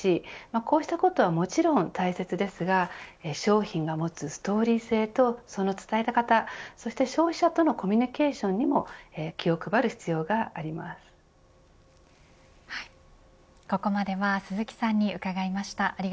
こうしたことはもちろん大切ですが商品が持つストーリー性とその伝え方、そして消費者とのコミュニケーションにも気を配る必要があります。